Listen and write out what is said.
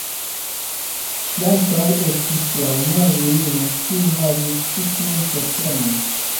Ŝi ankaŭ estis la unua virino kiu havis ĉi-tiun postenon.